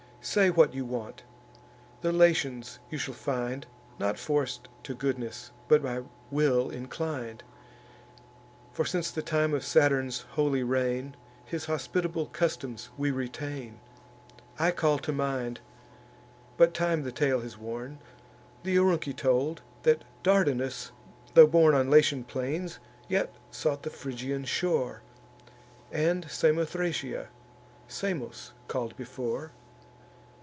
Say what you want: the Latians you shall find Not forc'd to goodness, but by will inclin'd; For, since the time of Saturn's holy reign, His hospitable customs we retain. I call to mind (but time the tale has worn) Th' Arunci told, that Dardanus, tho' born On Latian plains, yet sought the Phrygian shore, And Samothracia, Samos call'd before.